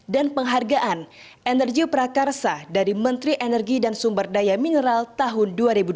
dan penghargaan energi prakarsa dari menteri energi dan sumber daya mineral tahun dua ribu dua belas